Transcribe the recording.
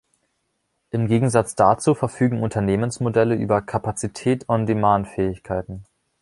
Im Gegensatz dazu verfügen Unternehmensmodelle über Kapazität-On-Demand-Fähigkeiten.